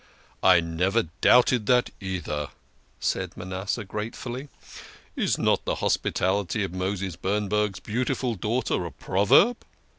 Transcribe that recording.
" I never doubted that either," said Manasseh gracefully. " Is not the hospitality of Moses Bernberg's beautiful daugh ter a proverb?